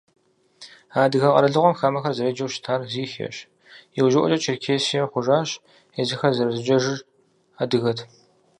А адыгэ къэралыгъуэм хамэхэр зэреджэу щытар Зихиещ, иужьыӏуэкӏэ Черкесие хъужащ, езыхэр зэрызэджэжыр адыгэт.